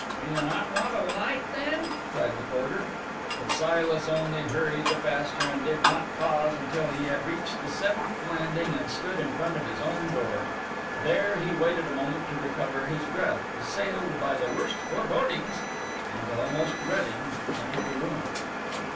"Do you not want a light then?" cried the porter. But Silas only hurried the faster, and did not pause until he had reached the seventh landing and stood in front of his own door. There he waited a moment to recover his breath, assailed by the worst forebodings and almost dreading to enter the room.